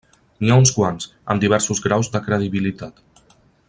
N’hi ha uns quants, amb diversos graus de credibilitat.